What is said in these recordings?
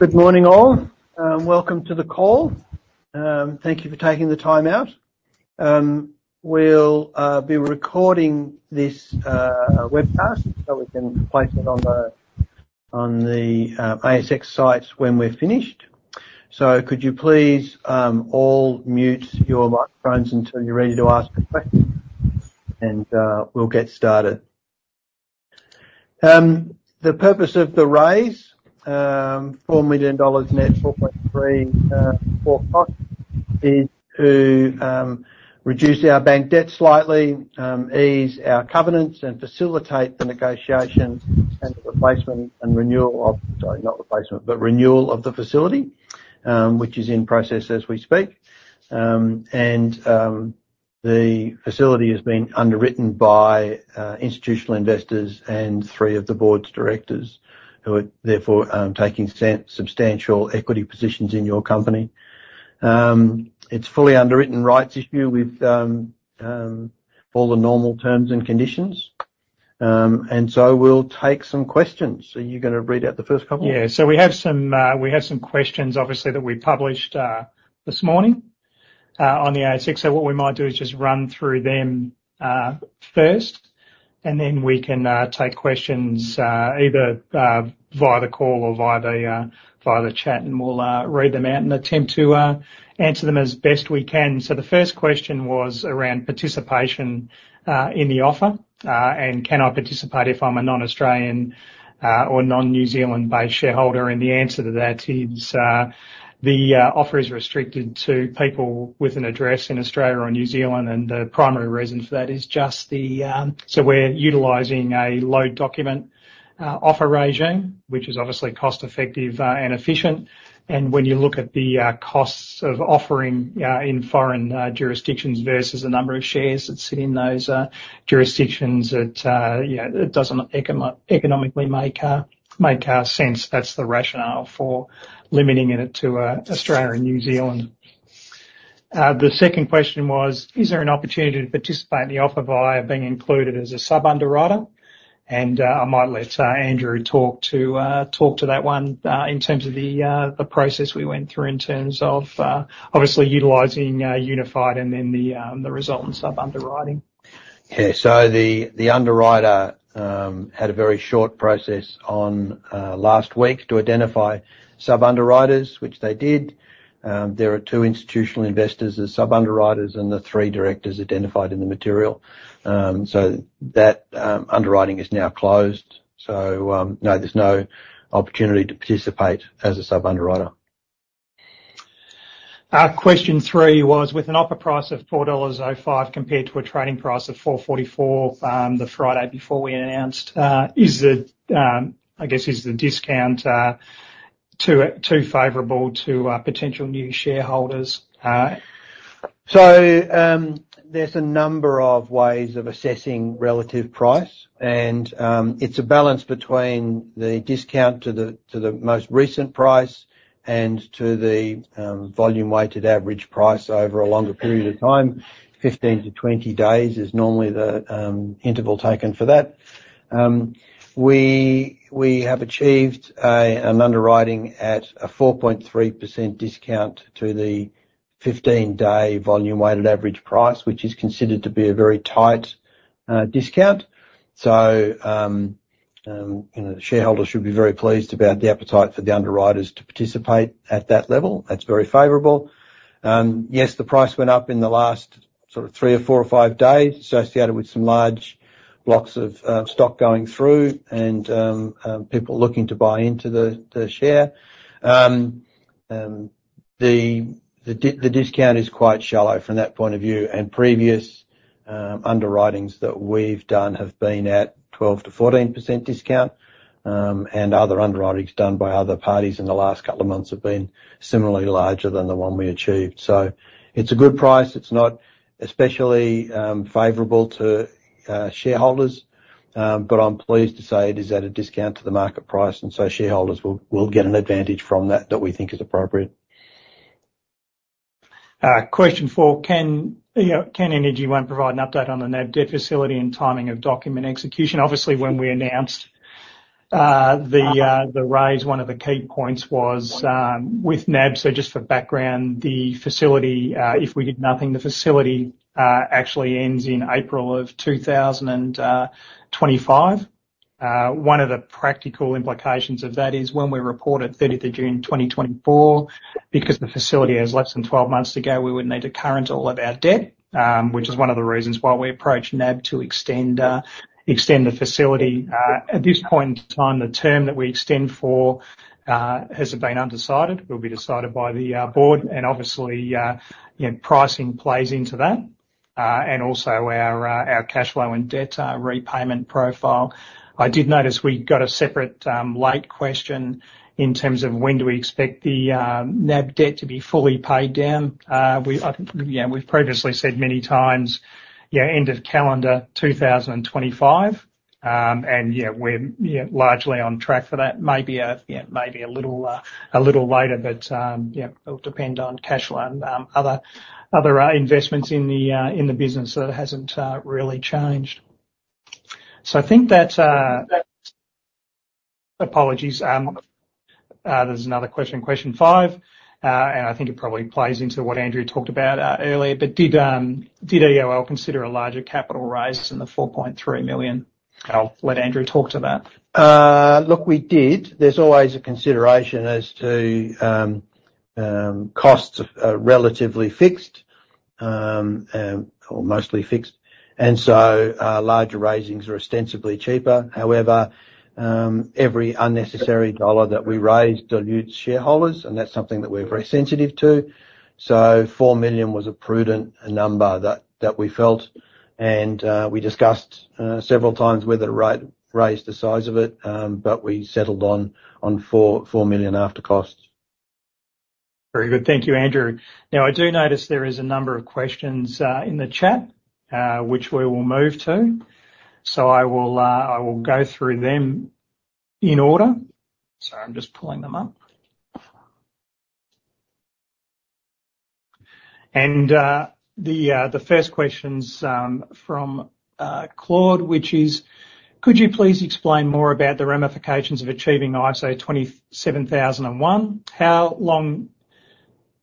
Good morning, all, and welcome to the call. Thank you for taking the time out. We'll be recording this webcast, so we can place it on the ASX site when we're finished. Could you please all mute your microphones until you're ready to ask a question? We'll get started. The purpose of the raise 4 million dollars net, 4.345, is to reduce our bank debt slightly, ease our covenants, and facilitate the negotiation and replacement and renewal of- sorry, not replacement, but renewal of the facility, which is in process as we speak. The facility has been underwritten by institutional investors and three of the board's directors, who are therefore taking substantial equity positions in your company. It's a fully underwritten rights issue with all the normal terms and conditions. So we'll take some questions. Are you gonna read out the first couple? Yeah. So we have some questions, obviously, that we published this morning on the ASX. So what we might do is just run through them first, and then we can take questions either via the call or via the chat, and we'll read them out and attempt to answer them as best we can. So the first question was around participation in the offer, and can I participate if I'm a non-Australian or non-New Zealand based shareholder? And the answer to that is the offer is restricted to people with an address in Australia or New Zealand, and the primary reason for that is just the-- So we're utilizing a low doc offer regime, which is obviously cost effective and efficient. When you look at the costs of offering in foreign jurisdictions versus the number of shares that sit in those jurisdictions, it you know, it doesn't economically make sense. That's the rationale for limiting it to Australia and New Zealand. The second question was: "Is there an opportunity to participate in the offer via being included as a sub-underwriter?" I might let Andrew talk to that one in terms of the process we went through in terms of obviously utilizing Unified and then the result in sub-underwriting. Yeah. So the underwriter had a very short process on last week to identify sub-underwriters, which they did. There are two institutional investors as sub-underwriters and the three directors identified in the material. So that underwriting is now closed. So no, there's no opportunity to participate as a sub-underwriter. Question three was: "With an offer price of 4.05 dollars compared to a trading price of 4.44, the Friday before we announced, is the, I guess, is the discount, too, too favorable to, potential new shareholders? So, there's a number of ways of assessing relative price, and, it's a balance between the discount to the, to the most recent price and to the, volume weighted average price over a longer period of time. 15-20 days is normally the, interval taken for that. We have achieved an underwriting at a 4.3% discount to the 15-day volume weighted average price, which is considered to be a very tight, discount. So, you know, the shareholders should be very pleased about the appetite for the underwriters to participate at that level. That's very favorable. Yes, the price went up in the last sort of three or four or five days, associated with some large blocks of, stock going through and, people looking to buy into the, the share. The discount is quite shallow from that point of view, and previous underwritings that we've done have been at 12%-14% discount. And other underwritings done by other parties in the last couple of months have been similarly larger than the one we achieved. So it's a good price. It's not especially favorable to shareholders, but I'm pleased to say it is at a discount to the market price, and so shareholders will get an advantage from that that we think is appropriate. Question four: "Can, you know, can Energy One provide an update on the NAB debt facility and timing of document execution?" Obviously, when we announced the raise, one of the key points was with NAB. So just for background, the facility if we did nothing, the facility actually ends in April of 2025. One of the practical implications of that is when we report at 30th of June 2024, because the facility has less than 12 months to go, we would need to current all of our debt, which is one of the reasons why we approached NAB to extend the facility. At this point in time, the term that we extend for has been undecided, will be decided by the board, and obviously, you know, pricing plays into that, and also our cash flow and debt repayment profile. I did notice we got a separate late question in terms of when do we expect the NAB debt to be fully paid down? We, I think, yeah, we've previously said many times, yeah, end of calendar 2025. And yeah, we're, yeah, largely on track for that. Maybe, yeah, maybe a little later, but, yeah, it'll depend on cash flow and other investments in the business. So it hasn't really changed. So I think that, apologies, there's another question, question five. I think it probably plays into what Andrew talked about earlier, but did EOL consider a larger capital raise than 4.3 million? I'll let Andrew talk to that. Look, we did. There's always a consideration as to costs, relatively fixed, or mostly fixed, and so larger raisings are ostensibly cheaper. However, every unnecessary dollar that we raise dilutes shareholders, and that's something that we're very sensitive to. So 4 million was a prudent number that we felt, and we discussed several times whether to raise the size of it, but we settled on 4 million after costs. Very good. Thank you, Andrew. Now, I do notice there is a number of questions in the chat, which we will move to. So I will, I will go through them in order. Sorry, I'm just pulling them up. And, the first question's from Claude, which is: "Could you please explain more about the ramifications of achieving ISO 27001? How long,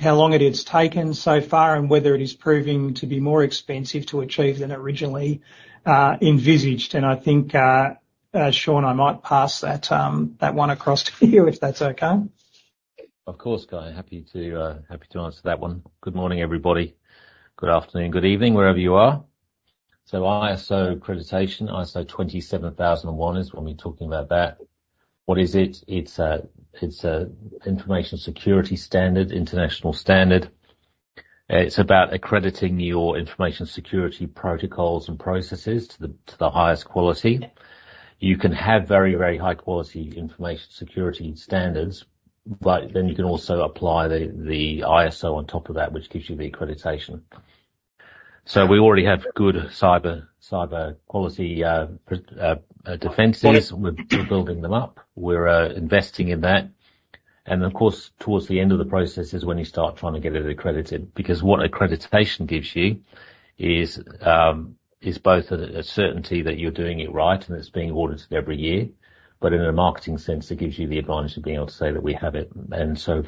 how long it has taken so far, and whether it is proving to be more expensive to achieve than originally envisaged?" And I think, Shaun, I might pass that one across to you if that's okay. Of course, Guy. Happy to, happy to answer that one. Good morning, everybody. Good afternoon, good evening, wherever you are. So ISO accreditation, ISO 27001 is when we're talking about that. What is it? It's a, it's a information security standard, international standard. It's about accrediting your information security protocols and processes to the, to the highest quality. You can have very, very high quality information security standards, but then you can also apply the, the ISO on top of that, which gives you the accreditation. So we already have good cyber, cyber quality, defenses. We're building them up. We're investing in that, and of course, towards the end of the process is when you start trying to get it accredited, because what accreditation gives you is both a certainty that you're doing it right and it's being audited every year. But in a marketing sense, it gives you the advantage of being able to say that we have it. And so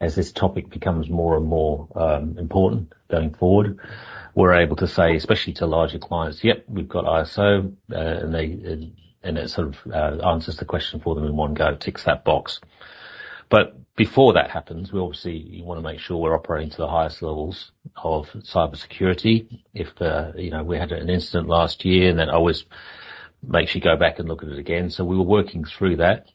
as this topic becomes more and more important going forward, we're able to say, especially to larger clients, "Yep, we've got ISO." And they, and it sort of answers the question for them in one go, ticks that box. But before that happens, we obviously wanna make sure we're operating to the highest levels of cybersecurity. If you know, we had an incident last year, and that always makes you go back and look at it again, so we were working through that.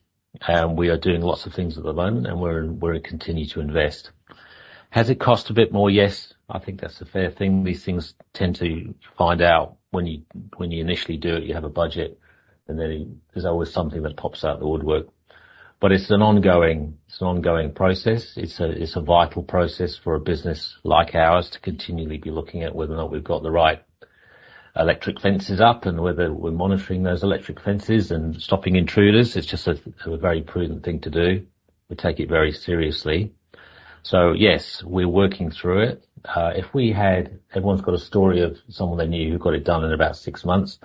And we are doing lots of things at the moment, and we're gonna continue to invest. Has it cost a bit more? Yes, I think that's a fair thing. These things tend to find out when you initially do it, you have a budget, and then there's always something that pops out of the woodwork. But it's an ongoing process. It's a vital process for a business like ours to continually be looking at whether or not we've got the right electric fences up, and whether we're monitoring those electric fences and stopping intruders. It's just a very prudent thing to do. We take it very seriously. So yes, we're working through it. If we had... Everyone's got a story of someone they knew who got it done in about six months,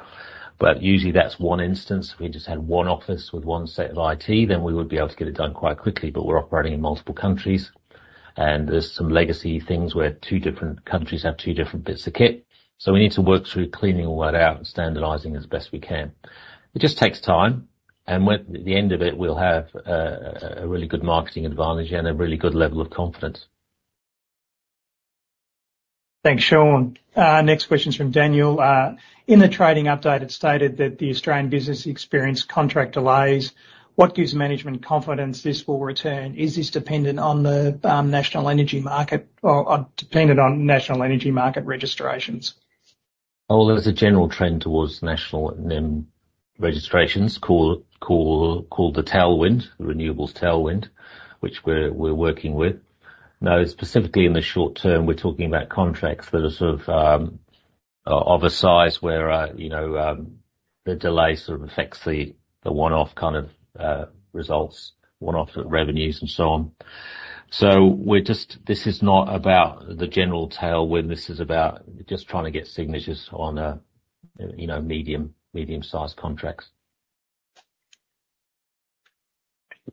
but usually that's one instance. If we just had one office with one set of IT, then we would be able to get it done quite quickly. But we're operating in multiple countries, and there's some legacy things where two different countries have two different bits of kit, so we need to work through cleaning all that out and standardizing as best we can. It just takes time, and when, at the end of it, we'll have a really good marketing advantage and a really good level of confidence. Thanks, Shaun. Next question's from Daniel. In the trading update, it stated that the Australian business experienced contract delays. What gives management confidence this will return? Is this dependent on the National Energy Market or dependent on National Energy Market registrations? Well, there's a general trend towards national NEM registrations, call it the tailwind, the renewables tailwind, which we're working with. Now, specifically in the short term, we're talking about contracts that are sort of of a size where you know the delay sort of affects the one-off kind of results, one-off sort of revenues and so on. So we're just this is not about the general tailwind, this is about just trying to get signatures on you know medium, medium-sized contracts.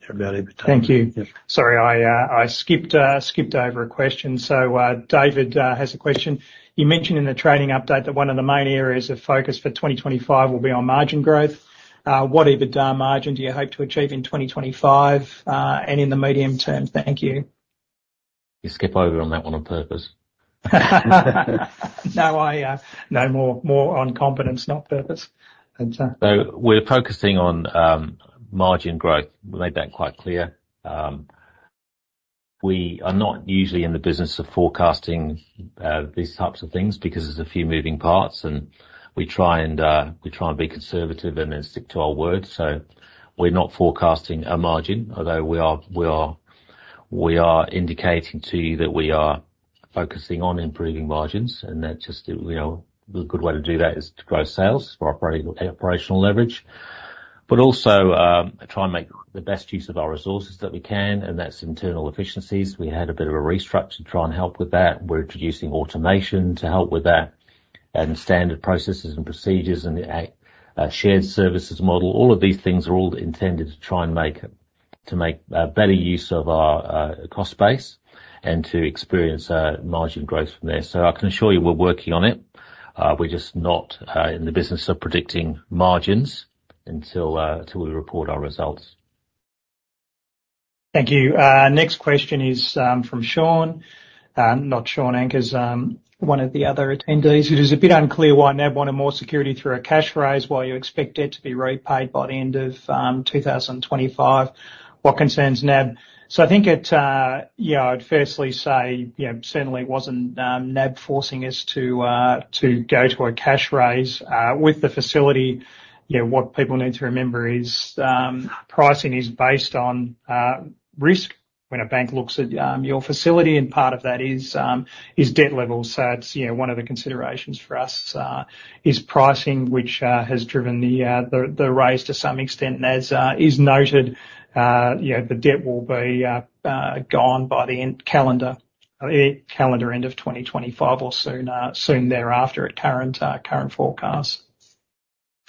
About every time- Thank you. Yeah. Sorry, I skipped over a question. So, David, has a question: You mentioned in the trading update that one of the main areas of focus for 2025 will be on margin growth. What EBITDA margin do you hope to achieve in 2025, and in the medium term? Thank you. You skip over on that one on purpose? No, I, no more, more on competence, not purpose. And, So we're focusing on margin growth. We made that quite clear. We are not usually in the business of forecasting these types of things, because there's a few moving parts, and we try and be conservative and then stick to our word. So we're not forecasting a margin, although we are indicating to you that we are focusing on improving margins, and that just, you know, the good way to do that is to grow sales for operating, operational leverage. But also try and make the best use of our resources that we can, and that's internal efficiencies. We had a bit of a restructure to try and help with that. We're introducing automation to help with that, and standard processes and procedures, and the shared services model. All of these things are intended to try and make better use of our cost base, and to experience margin growth from there. So I can assure you we're working on it. We're just not in the business of predicting margins until we report our results. Thank you. Next question is from Sean. Not Shaun Ankers, one of the other attendees. It is a bit unclear why NAB wanted more security through a cash raise, while you expect it to be repaid by the end of 2025. What concerns NAB? So I think it, you know, I'd firstly say, you know, certainly it wasn't NAB forcing us to go to a cash raise with the facility. You know, what people need to remember is pricing is based on risk when a bank looks at your facility, and part of that is debt levels. So it's, you know, one of the considerations for us is pricing, which has driven the raise to some extent. As is noted, you know, the debt will be gone by the calendar end of 2025, or soon thereafter at current forecast.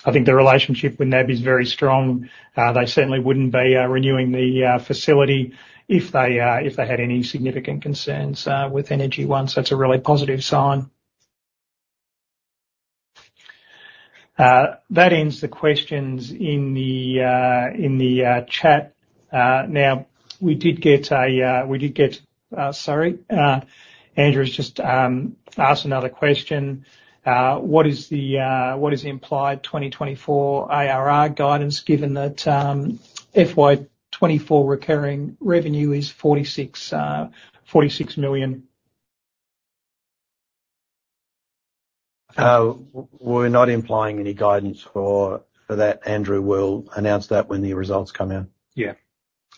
I think the relationship with NAB is very strong. They certainly wouldn't be renewing the facility if they had any significant concerns with Energy One. So that's a really positive sign. That ends the questions in the chat. Now, we did get... Sorry, Andrew has just asked another question. What is the implied 2024 ARR guidance, given that FY 2024 recurring revenue is AUD 46 million? We're not implying any guidance for that, Andrew. We'll announce that when the results come out. Yeah.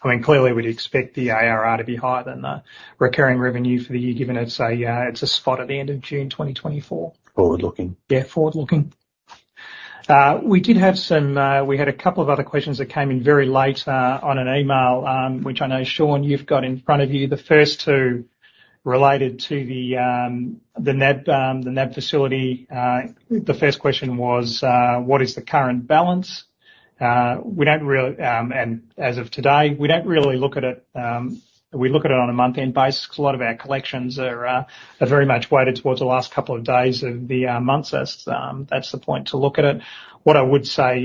I mean, clearly, we'd expect the ARR to be higher than the recurring revenue for the year, given it's a, it's a spot at the end of June 2024. Forward looking. Yeah, forward looking. We had a couple of other questions that came in very late, on an email, which I know, Shaun, you've got in front of you. The first two related to the NAB facility. The first question was: What is the current balance? And as of today, we don't really look at it. We look at it on a month-end basis, 'cause a lot of our collections are very much weighted towards the last couple of days of the month. So that's the point to look at it. What I would say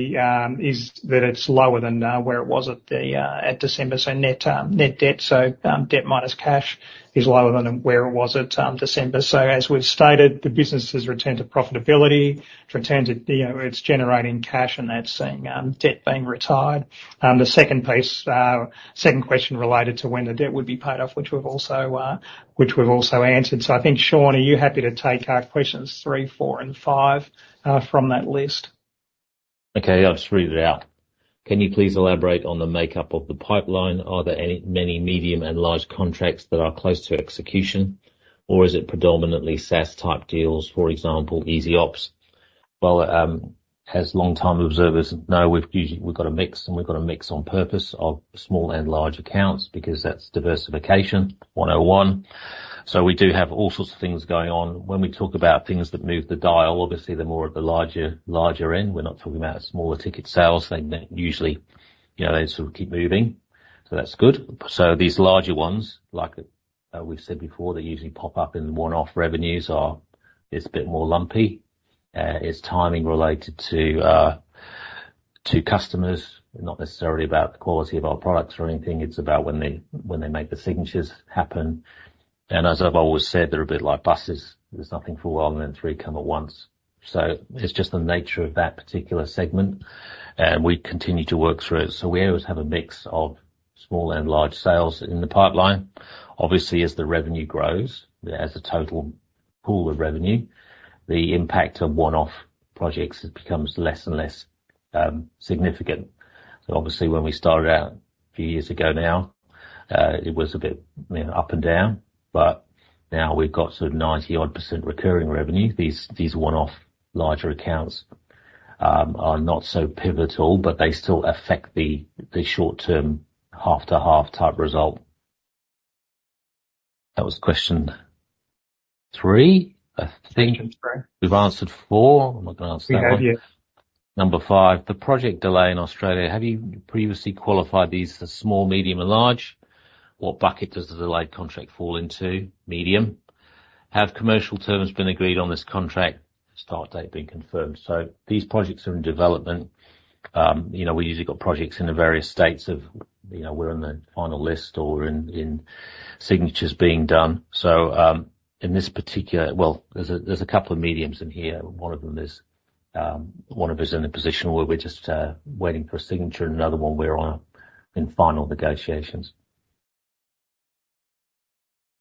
is that it's lower than where it was at December, so net debt. So, debt minus cash is lower than where it was at, December. So as we've stated, the business has returned to profitability, it's returned to, you know, it's generating cash, and that's seeing, debt being retired. The second piece, second question related to when the debt would be paid off, which we've also answered. So I think, Shaun, are you happy to take, questions three, four, and five, from that list? Okay, I'll just read it out. Can you please elaborate on the makeup of the pipeline? Are there any many medium and large contracts that are close to execution, or is it predominantly SaaS type deals, for example, eZ-Ops? Well, as longtime observers know, we've got a mix, and we've got a mix on purpose of small and large accounts, because that's diversification 101. So we do have all sorts of things going on. When we talk about things that move the dial, obviously, they're more at the larger, larger end. We're not talking about smaller ticket sales. They usually, you know, they sort of keep moving, so that's good. So these larger ones, like, we've said before, they usually pop up in the one-off revenues, are... It's a bit more lumpy. It's timing related to customers, not necessarily about the quality of our products or anything. It's about when they make the signatures happen, and as I've always said, they're a bit like buses: There's nothing for a while, and then three come at once. So it's just the nature of that particular segment, and we continue to work through it. So we always have a mix of small and large sales in the pipeline. Obviously, as the revenue grows, as the total pool of revenue, the impact of one-off projects becomes less and less significant. So obviously, when we started out a few years ago now, it was a bit, you know, up and down, but now we've got sort of 90-odd% recurring revenue. These one-off larger accounts are not so pivotal, but they still affect the short term, half to half type result. That was question three, I think. Question three. We've answered four. I'm not gonna answer that one. We have, yeah. Number five: The project delay in Australia, have you previously qualified these as small, medium, and large? What bucket does the delayed contract fall into? Medium. Have commercial terms been agreed on this contract, start date been confirmed? So these projects are in development. You know, we've usually got projects in the various states of, you know, we're on the final list or in signatures being done. So, in this particular... Well, there's a couple of mediums in here. One of them is in a position where we're just waiting for a signature, and another one we're in final negotiations.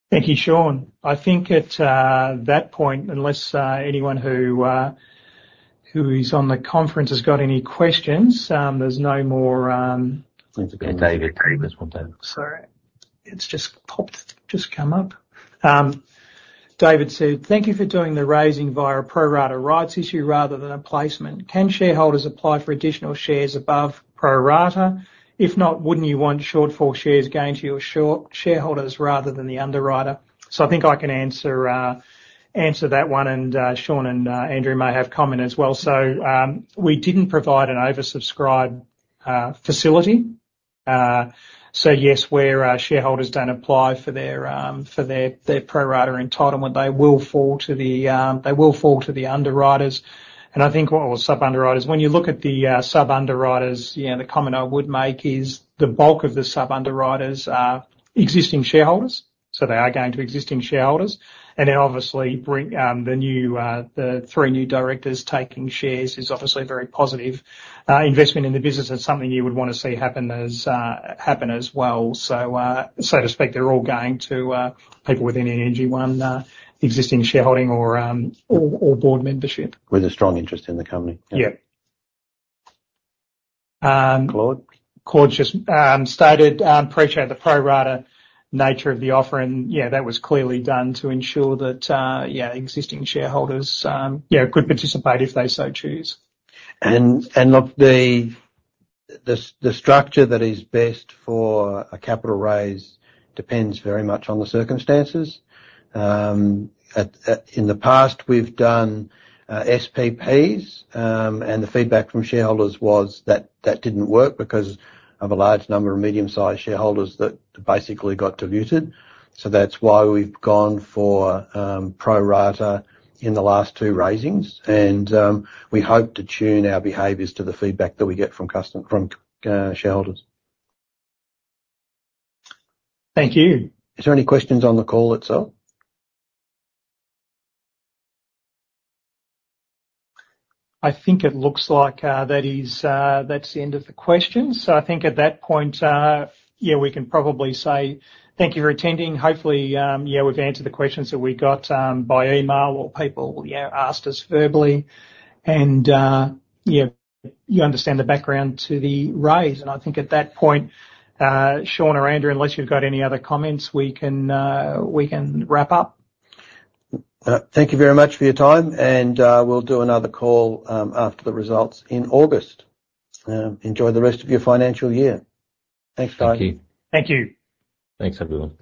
Thank you, Shaun. I think at that point, unless anyone who is on the conference has got any questions, there's no more- I think there's one. David, there's one, David. Sorry. It's just popped, just come up. David said, "Thank you for doing the raising via a pro rata rights issue rather than a placement. Can shareholders apply for additional shares above pro rata? If not, wouldn't you want shortfall shares going to your shortfall shareholders rather than the underwriter?" So I think I can answer that one, and Shaun and Andrew may have comment as well. So we didn't provide an oversubscription facility. So yes, where our shareholders don't apply for their pro rata entitlement, they will fall to the underwriters. And I think, or sub-underwriters, when you look at the sub-underwriters, you know, the comment I would make is the bulk of the sub-underwriters are existing shareholders, so they are going to existing shareholders. Then obviously the three new directors taking shares is obviously a very positive investment in the business. That's something you would want to see happen as well. So to speak, they're all people within Energy One existing shareholding or board membership. With a strong interest in the company. Yep. Um- Claude?... Claude just stated, "Appreciate the pro rata nature of the offer," and yeah, that was clearly done to ensure that, yeah, existing shareholders, yeah, could participate if they so choose. Look, the structure that is best for a capital raise depends very much on the circumstances. In the past, we've done SPPs, and the feedback from shareholders was that that didn't work because of a large number of medium-sized shareholders that basically got diluted. So that's why we've gone for pro rata in the last two raisings, and we hope to tune our behaviors to the feedback that we get from shareholders. Thank you. Is there any questions on the call itself? I think it looks like that's the end of the questions. So I think at that point, yeah, we can probably say thank you for attending. Hopefully, yeah, we've answered the questions that we got by email or people yeah asked us verbally, and yeah you understand the background to the raise. And I think at that point, Shaun or Andrew, unless you've got any other comments, we can we can wrap up. Thank you very much for your time, and we'll do another call after the results in August. Enjoy the rest of your financial year. Thanks, guys. Thank you. Thank you. Thanks, everyone.